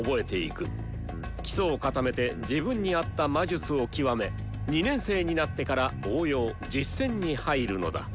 基礎を固めて自分に合った魔術を極め２年生になってから応用・実践に入るのだ。